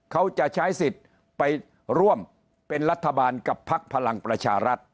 เขาจะใช้สิทธิ์ไปร่วมเป็นรัฐบาลกับพักพลังประชารัฐ